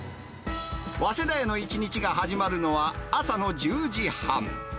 ワセダやの一日が始まるのは朝の１０時半。